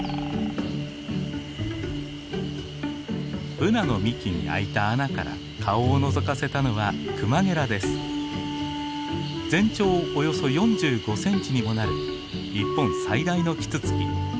ブナの幹に開いた穴から顔をのぞかせたのは全長およそ４５センチにもなる日本最大のキツツキ。